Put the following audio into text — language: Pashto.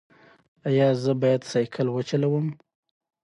ایا زه باید سایکل وچلوم؟